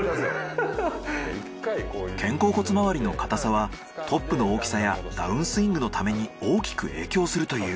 肩甲骨周りの硬さはトップの大きさやダウンスイングのタメに大きく影響するという。